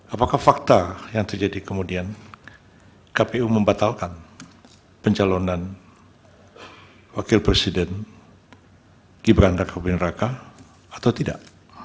apakah fakta yang terjadi kemudian kpu membatalkan pencalonan wakil presiden gibran raka buming raka atau tidak